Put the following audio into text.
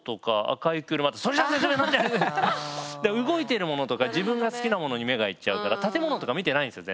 動いてるものとか自分が好きなものに目がいっちゃうから建物とか見てないんですよ